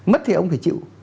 mất thì ông phải chịu